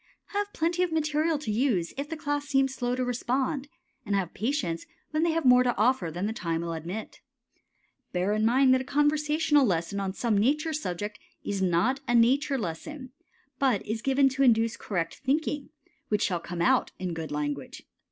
Have plenty of material to use if the class seem slow to respond, and have patience when they have more to offer than the time will admit. Bear in mind that a conversation lesson on some nature subject is not a nature lesson, but is given to induce correct thinking, which shall come out in good language.